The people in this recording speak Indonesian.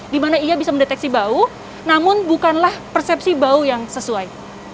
di mana ia bisa mendeteksi bau namun bukanlah persepsi bau yang sesuai